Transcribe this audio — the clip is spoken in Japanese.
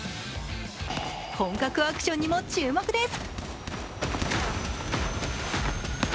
本格アクションにも注目です。